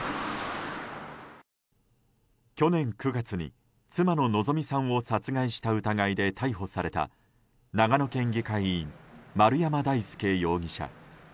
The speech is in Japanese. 去年９月に妻の希美さんを殺害した疑いで逮捕された長野県議会議員丸山大輔容疑者。